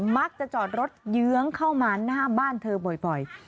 มักจะจอดรถเยื้องเข้ามาหน้าบ้านเธอบ่อย